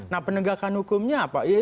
nah penegakan hukumnya apa